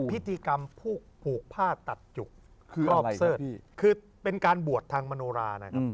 พิธีกรรมผูกผูกผ้าตัดอยุคือเป็นการบวชทางมโนรา